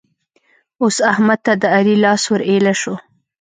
اوس احمد ته د علي لاس ور ايله شو.